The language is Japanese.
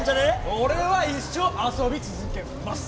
俺は一生遊び続けます・